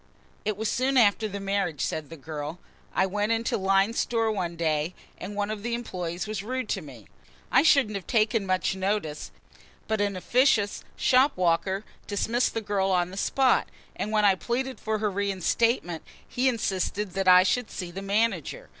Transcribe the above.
"It was soon after the marriage," said the girl. "I went into Lyne's Store one day and one of the employees was rude to me. I shouldn't have taken much notice, but an officious shop walker dismissed the girl on the spot, and when I pleaded for her reinstatement, he insisted that I should see the manager.